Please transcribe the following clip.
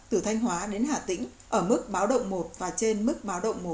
từ thanh hóa đến hà tĩnh ở mức báo động một và trên mức báo động một